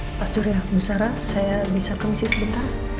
eh pak surya nusara saya bisa komisi sebentar